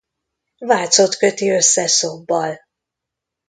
Vácot köti össze Szobbal.